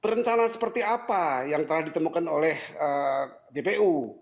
perencanaan seperti apa yang telah ditemukan oleh jpu